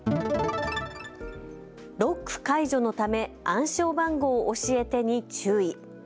ロック解除のため暗証番号教えてに注意。